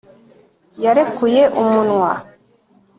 yarekuye umunwa